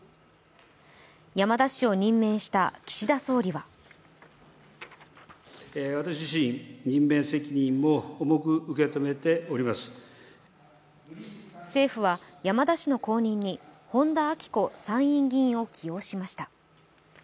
山田氏を任命した岸田総理は政府は、山田氏の後任に本田顕子参院議員を起用しました。